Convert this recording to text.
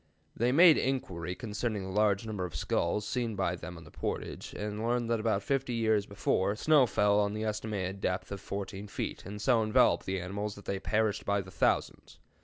They made inquiry concerning the large number of skulls seen by them on the portage, and learned that about fifty years before, snow fell to the estimated depth of 14 feet, and so enveloped the animals that they perished by thousands.